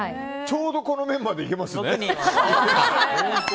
ちょうどこのメンバーで行けますね。